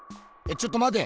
ちょっとまて。